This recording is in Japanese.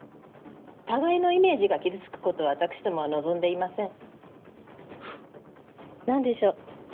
互いのイメージが傷つくことを私どもは望んでいません何でしょう？